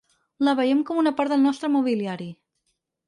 La veiem com una part del nostre mobiliari.